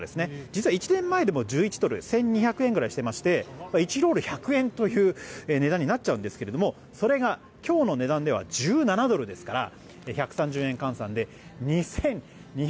実は１年前でも１１ドル１２００円ぐらいしまして１ロール１００円という値段になっちゃうんですけれどもそれが今日の値段では１７ドルですから１３０円換算で２２００円。